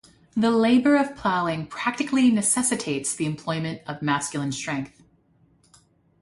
The labor of ploughing practically necessitates the employment of masculine strength.